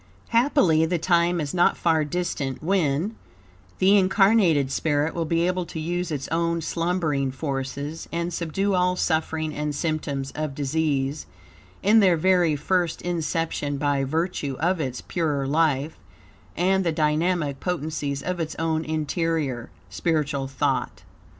Happily, the time is not far distant when, the incarnated spirit will be able to use its own slumbering forces, and subdue all suffering and symptoms of disease in their very first inception, by virtue of its purer life and the dynamic potencies of its own interior, spiritual thought.